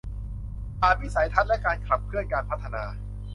ผ่านวิสัยทัศน์และการขับเคลื่อนการพัฒนา